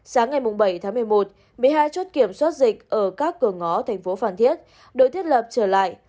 sáng ngày bảy một mươi một một mươi hai chốt kiểm soát dịch ở các cường ngõ tp hcm được thiết lập trở lại